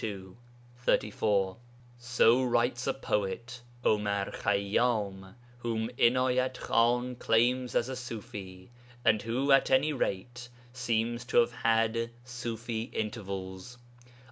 ] So writes a poet (Omar Khayyám) whom Inayat Khan claims as a Ṣufi, and who at any rate seems to have had Ṣufi intervals.